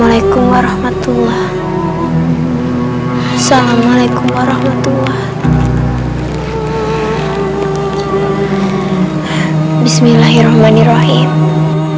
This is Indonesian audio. aku selalu mencintaimu